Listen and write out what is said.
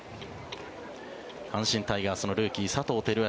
阪神タイガースのルーキー佐藤輝明。